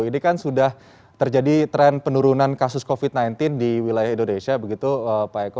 ini kan sudah terjadi tren penurunan kasus covid sembilan belas di wilayah indonesia begitu pak eko